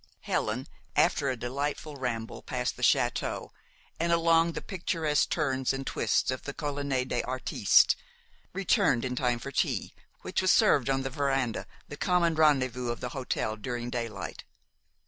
Helen, after a delightful ramble past the château and along the picturesque turns and twists of the Colline des Artistes, returned in time for tea, which was served on the veranda, the common rendezvous of the hotel during daylight.